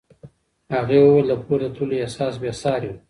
هغې وویل د پورته تللو احساس بې ساری و.